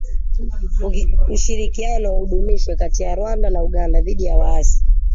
Ushirikiano udumishwe kati ya Rwanda na Uganda dhidi ya waasi